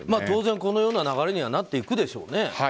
当然、このような流れにはなっていくでしょうね。